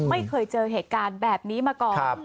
ไม่เคยเจอเหตุการณ์แบบนี้มาก่อน